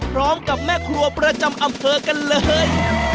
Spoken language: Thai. พร้อมกับแม่ครัวประจำอำเผอกันเลย